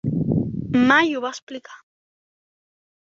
Mai ho va explicar.